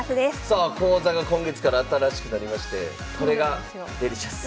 さあ講座が今月から新しくなりましてこれがデリシャス！